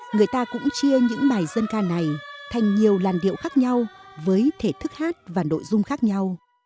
người ta cũng chia những bài dân ca này thành nhiều làn điệu khác nhau với thể thức hát và nội dung khác nhau